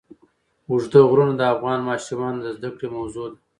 اوږده غرونه د افغان ماشومانو د زده کړې موضوع ده.